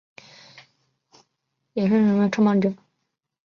也是诚道塾空手道的创办者。